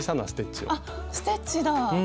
あステッチだぁ。